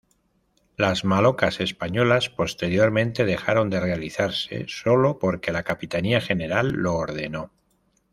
Las malocas españolas posteriormente dejaron de realizarse solo porque la capitanía general lo ordenó.